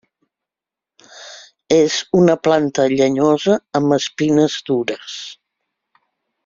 És una planta llenyosa amb espines dures.